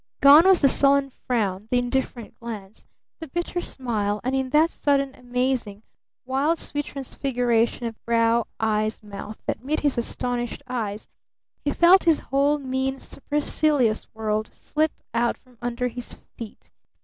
Gone was the sullen frown, the indifferent glance, the bitter smile, and in that sudden, amazing, wild, sweet transfiguration of brow, eyes, mouth, that met his astonished eyes, he felt his whole mean, supercilious world slip out from under his feet!